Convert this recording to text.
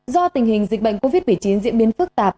do tình hình dịch bệnh covid một mươi chín diễn biến phức tạp